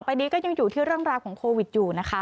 ตอนนี้ก็ยังอยู่ที่เรื่องราวของโควิดอยู่นะคะ